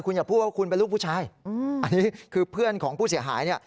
คุณอย่าพูดว่าคุณเป็นลูกผู้ชายอันนี้คือเพื่อนของผู้เสียหายเนี่ย